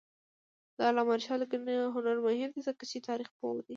د علامه رشاد لیکنی هنر مهم دی ځکه چې تاریخپوه دی.